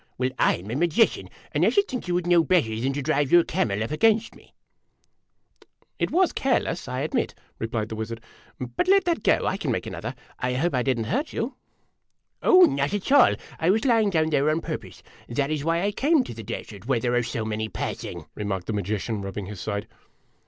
"Well, / 'm a magician, and I should think you would know better than to drive your camel up against me." A DUEL IN A DESERT 39 "It was careless, I admit," replied the wizard. " But let that go ; I can make another. I hope I did n't hurt you ?"" Oh ! not at all ; I was lying down there on purpose ; that is why I came to the desert, where there are so many passing," re marked the magician, rubbing his side.